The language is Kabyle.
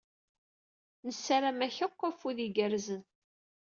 Nessaram-ak akk afud igerrzen.